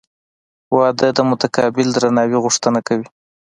• واده د متقابل درناوي غوښتنه کوي.